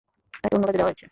তাকে অন্য কাজ দেয়া হয়েছে।